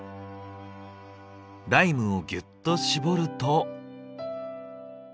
ライムをギュッと搾ると。